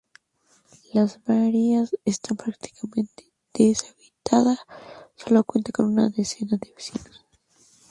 Las Marías está prácticamente deshabitada, sólo cuenta con una decena de vecinos.